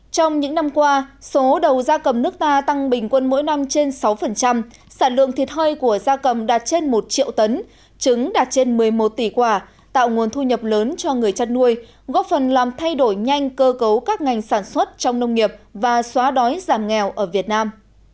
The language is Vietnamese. trong những năm qua số đầu gia cầm nước ta tăng bình quân mỗi năm trên sáu sản lượng thịt hơi của gia cầm đạt trên một triệu tấn trứng đạt trên một mươi một tỷ quả tạo nguồn thu nhập lớn cho người chăn nuôi góp phần làm thay đổi nhanh cơ cấu các ngành sản xuất trong nông nghiệp và xóa đói giảm nghèo ở việt nam